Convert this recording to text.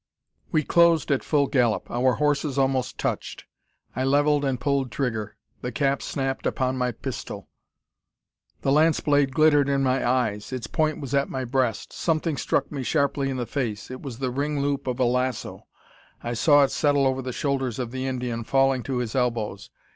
We closed at full gallop. Our horses almost touched. I levelled and pulled trigger. The cap snapped upon my pistol! The lance blade glittered in my eyes; its point was at my breast. Something struck me sharply in the face. It was the ring loop of a lasso. I saw it settle over the shoulders of the Indian, falling to his elbows.